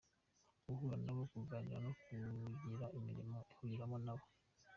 Guhura nabo, kuganira no kugira imirimo ahuriramo nabo.